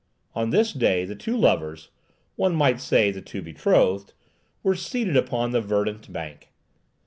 On this day the two lovers—one might say, the two betrothed— were seated upon the verdant bank.